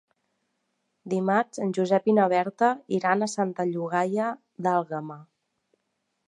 Dimarts en Josep i na Berta iran a Santa Llogaia d'Àlguema.